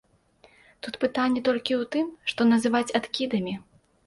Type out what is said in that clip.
Тут пытанне толькі ў тым, што называць адкідамі.